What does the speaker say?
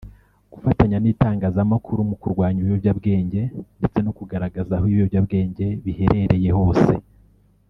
gufatanya n’itangazamakuru mu kurwanya ibiyobyabwenge ndetse no kugaragaza aho ibiyobyabwenge bihereye hose